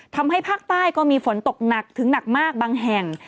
ทำให้ภาคใต้ก็มีฝนตกหนักถึงหนักมากบางแห่ง